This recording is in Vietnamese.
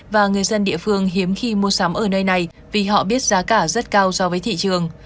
và người dân địa phương hiếm khi mua sắm ở nơi này vì họ biết giá cả rất cao so với thị trường